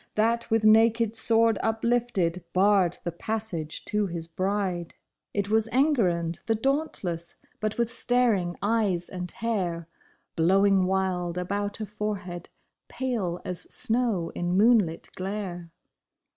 That with naked sword uplifted barred the passage to his bride ! 8 THE DEFENCE OF THE BRIDE. It was Enguerrand the dauntless, but with staring eyes and hair Blowing wild about a forehead pale as snow in moonlit glare.